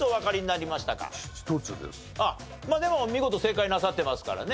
でも見事正解なさってますからね。